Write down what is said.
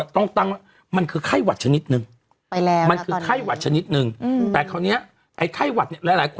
ต้องเสร็จชีวิตแล้ว